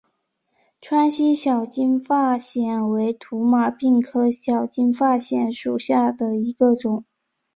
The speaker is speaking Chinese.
川西小金发藓为土马鬃科小金发藓属下的一个种。